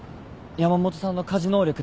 山本さんの家事能力って。